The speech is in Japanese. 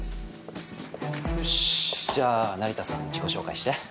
よしじゃあ成田さん自己紹介して。